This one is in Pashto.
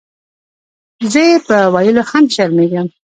زۀ یې پۀ ویلو هم شرمېږم.